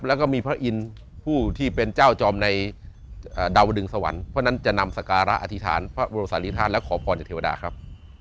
แล้วก็มีพระอินทร์ผู้ที่เป็นเจ้าจอมในดาวดึงสวรรค์เพราะฉะนั้นจะนำสการะอธิษฐานพระบรมศาลิธาตุและขอพรจากเทวดาครับ